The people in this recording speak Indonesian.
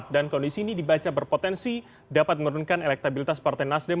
dan kondisi ini dibaca berpotensi dapat menurunkan elektabilitas partai nasdem